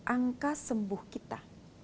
angka sembuh kita